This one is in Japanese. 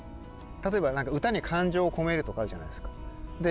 例えば歌に感情をこめるとかあるじゃないですか。